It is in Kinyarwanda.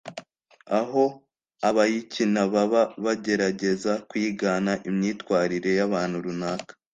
aho abayikina baba bagerageza kwigana imyitwarire y’abantu runaka.